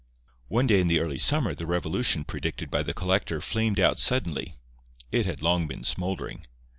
One day in the early summer the revolution predicted by the collector flamed out suddenly. It had long been smouldering.